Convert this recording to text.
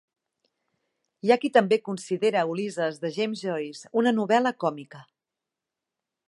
Hi ha qui també considera "Ulisses" de James Joyce una novel·la còmica.